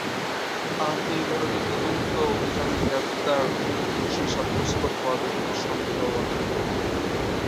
আর এ ধরনের তদন্ত অভিযানে গ্রেফতার ও দোষী সাব্যস্ত হওয়া ব্যক্তির সংখ্যাও অনেক।